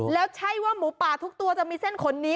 แล้วใช่ว่าหมูป่าทุกตัวจะมีเส้นขนนี้